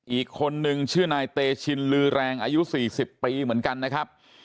อีกคนนึงชื่อนายเตชินลือแรงอายุ๔๐ปีเหมือนกันนะครับ